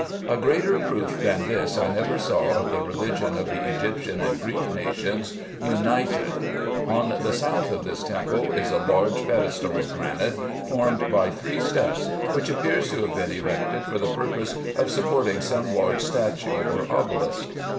A greater proof than this I never saw of the religion of the Egyptian and Greek nations united (see Plate 29). On the south of this temple is a large pedestal of granite, formed by three steps, which appears to have been erected for the purpose of supporting some large statue or obelisk.